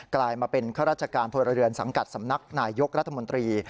กลายมาเป็นข้าราชการพลเรือนสังกัดสำนักนายยกรัฐมนตรี